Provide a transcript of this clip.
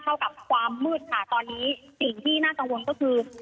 เท่ากับความมืดค่ะตอนนี้สิ่งที่น่ากังวลก็คือ